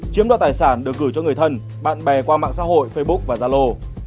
chiếm đoạt tài sản được gửi cho người thân bạn bè qua mạng xã hội facebook và gia lô